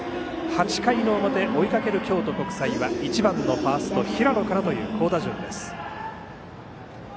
８回の表、追いかける京都国際は１番のファースト平野からという好打順です。